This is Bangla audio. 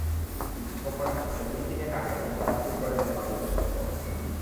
কিন্তু সফরের মাত্র দিন তিনেক আগে মমতা বাতিল করে দেন বাংলাদেশ সফর।